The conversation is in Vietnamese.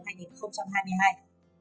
ngay trong tháng một năm hai nghìn hai mươi hai